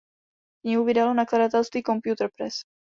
Knihu vydalo nakladatelství Computer Press.